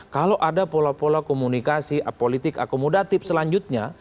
kalau ada pola pola komunikasi politik akomodatif selanjutnya